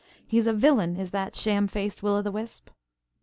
He's a villain is that sham faced Will o' the Wisp."